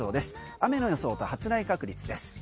雨の予想と発雷確率です。